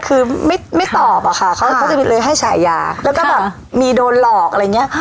คือไม่ตอบอะค่ะเขาเขาจะเลยให้ฉายาแล้วก็แบบมีโดนหลอกอะไรอย่างนี้